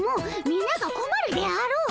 みながこまるであろう！